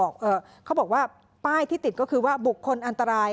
เขาบอกว่าป้ายที่ติดก็คือว่าบุคคลอันตราย